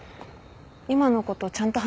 今のことちゃんと話そう。